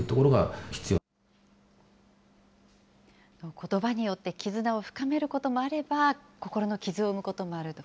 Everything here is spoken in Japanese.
ことばによって絆を深めることもあれば、心の傷を生むこともあると。